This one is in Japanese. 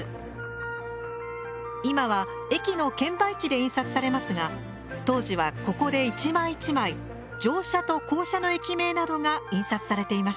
今は駅の券売機で印刷されますが当時はここで一枚一枚乗車と降車の駅名などが印刷されていました。